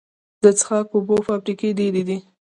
د څښاک اوبو فابریکې ډیرې دي